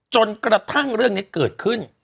จนกระทั่งเรื่องนี้เกิดขึ้น